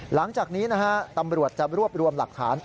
หลังจากนี้นะฮะตำรวจจะรวบรวมหลักฐาน